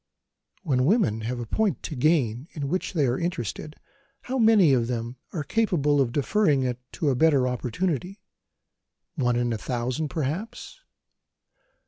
When women have a point to gain in which they are interested, how many of them are capable of deferring it to a better opportunity? One in a thousand, perhaps.